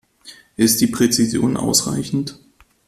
Ist die Präzision ausreichend?